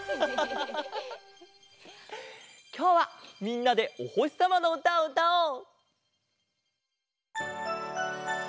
きょうはみんなでおほしさまのうたをうたおう！